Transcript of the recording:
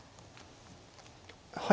はい。